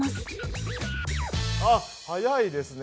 あっ早いですね。